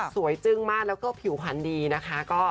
สวยจึงมากแล้วก็ผิวพันธุ์ดีนะคะ